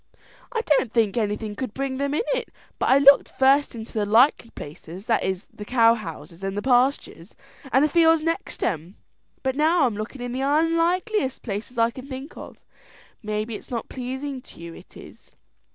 "I don't think anything could bring them in it; but I looked first into the likely places, that is, the cow houses, and the pastures, and the fields next 'em, and now I'm looking in the unlikeliest place I can think of. Maybe it's not pleasing to you it is."